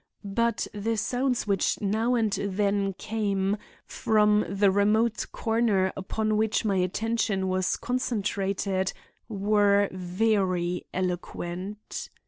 But the sounds which now and then came from the remote corner upon which my attention was concentrated were very eloquent.